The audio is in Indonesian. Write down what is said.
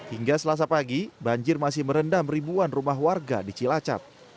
hingga selasa pagi banjir masih merendam ribuan rumah warga di cilacap